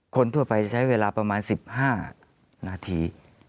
คนทั่วไปจะใช้เวลาประมาณ๑๕นาที